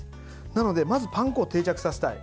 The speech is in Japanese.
なので、まずはパン粉を定着させたい。